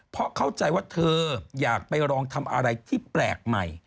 เพราะเข้าใจว่าเธออยากไปลองทำอะไรที่แปลกใหม่